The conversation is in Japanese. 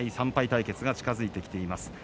対決が近づいてきています。